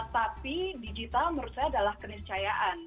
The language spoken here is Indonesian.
tapi digital menurut saya adalah keniscayaan